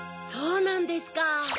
そうなんですか。